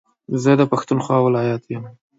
زه دا پښتونخوا ولايت يم